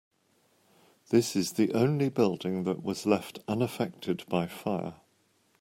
This is the only building that was left unaffected by fire.